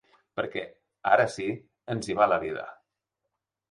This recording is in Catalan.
Perquè, ara sí, ens hi va la vida.